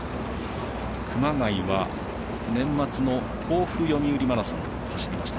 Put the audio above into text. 熊谷は、年末の防府読売マラソンで走りました。